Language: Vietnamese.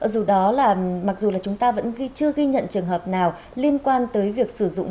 dù đó là mặc dù là chúng ta vẫn ghi chưa ghi nhận trường hợp nào liên quan tới việc sử dụng